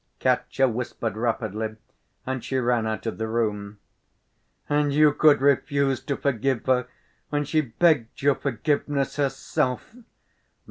Katya whispered rapidly, and she ran out of the room. "And you could refuse to forgive her when she begged your forgiveness herself?"